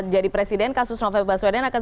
jadi presiden kasus novi baswedan akan